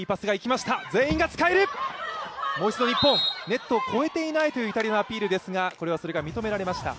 ネットを越えていないというイタリアのアピールですが、それが認められました。